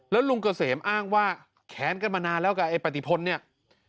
แล้วลุงเกษมอ้างว่าแค้นกันมานานแล้วกับไอ้ปฏิพลเนี่ย